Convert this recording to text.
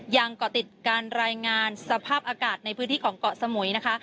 เกาะติดการรายงานสภาพอากาศในพื้นที่ของเกาะสมุยนะคะ